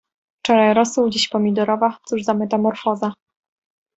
Wczoraj rosół, dziś pomidorowa; cóż za metamorfoza!